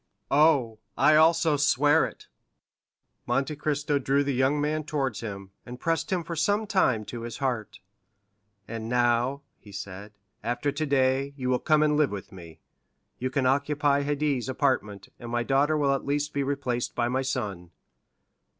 "Oh, I also swear it!" Monte Cristo drew the young man towards him, and pressed him for some time to his heart. "And now," he said, "after today, you will come and live with me; you can occupy Haydée's apartment, and my daughter will at least be replaced by my son."